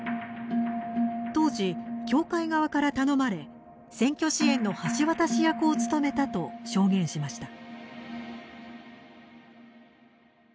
当時、教会側から頼まれ選挙支援の橋渡し役を務めたと証言しました。